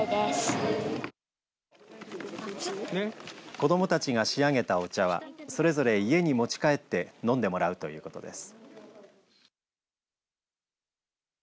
子どもたちが仕上げたお茶はそれぞれ家に持ち帰って飲んでもらうということです。